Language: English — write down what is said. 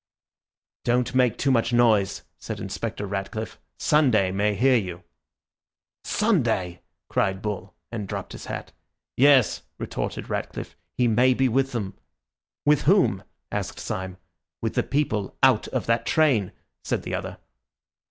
"Don't make too much noise," said Inspector Ratcliffe, "Sunday may hear you." "Sunday!" cried Bull, and dropped his hat. "Yes," retorted Ratcliffe, "he may be with them." "With whom?" asked Syme. "With the people out of that train," said the other.